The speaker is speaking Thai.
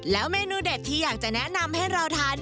แล้วเมนูเด็ดที่อยากจะแนะนำให้เราทาน